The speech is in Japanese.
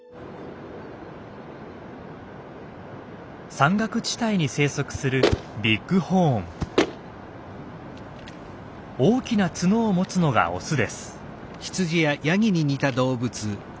山岳地帯に生息する大きな角を持つのがオスです。